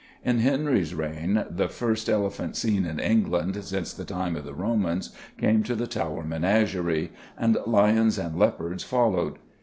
In Henry's reign the first elephant seen in England since the time of the Romans came to the Tower menagerie, and lions and leopards followed.